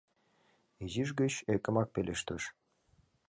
Изиш гыч ӧкымак пелештыш: